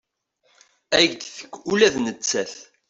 Ad ak-d-tekk ula d nettat.